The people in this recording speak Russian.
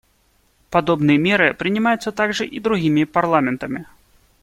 Подобные меры принимаются также и другими парламентами.